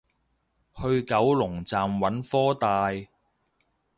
去九龍站揾科大